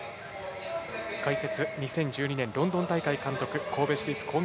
解説、２０１２年ロンドン大会監督